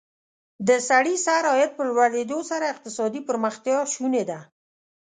د سړي سر عاید په لوړېدو سره اقتصادي پرمختیا شونې ده.